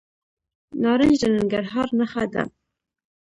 نارنج د ننګرهار نښه ده.